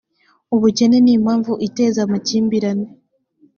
ubukene ni impamvu iteza amakimbirane